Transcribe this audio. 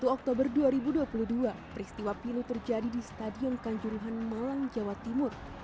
satu oktober dua ribu dua puluh dua peristiwa pilu terjadi di stadion kanjuruhan malang jawa timur